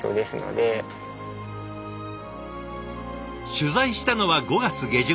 取材したのは５月下旬。